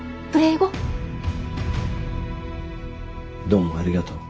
どうもありがとう。